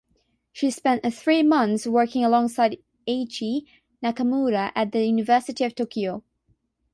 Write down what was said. She spent three months working alongside Eiichi Nakamura at the University of Tokyo.